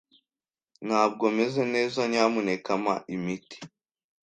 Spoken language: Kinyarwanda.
Ntabwo meze neza. Nyamuneka mpa imiti.